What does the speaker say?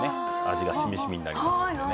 味がしみしみになりますのでね。